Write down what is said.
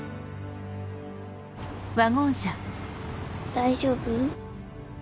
大丈夫？